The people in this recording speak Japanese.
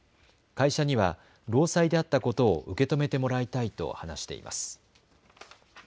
会社には労災であったことを受け止めてもらいたいと話しています。